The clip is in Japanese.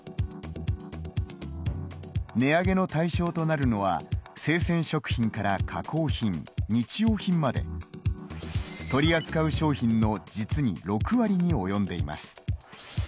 値上げの対象となるのは生鮮食品から加工品、日用品まで取り扱う商品の実に６割に及んでいます。